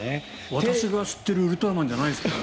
私が知ってる「ウルトラマン」じゃないですけど。